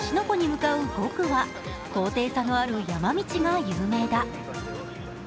湖に向かう５区は、高低差のある山道が有名だ。